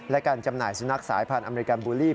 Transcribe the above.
และการจำหน่ายสุนัขสายพันธ์อเมริกันบูลลี่